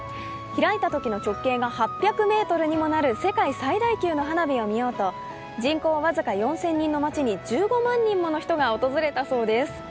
開いたときの直径が８００ｍにもなる世界最大級の花火を見ようと人口僅か４０００人の町に１５万人もの人が訪れたそうです。